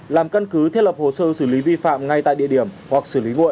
làm căn cứ thiết lập hồ sơ xử lý vi phạm ngay tại địa điểm hoặc xử lý muộn